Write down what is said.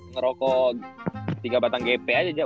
ngerokok tiga batang gp aja